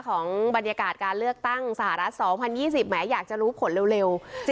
ของบรรยากาศการเลือกตั้งสหรัฐสองพันยี่สิบแหมอยากจะรู้ผลเร็วเร็ว